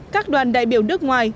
các đoàn đại biểu nước ngoài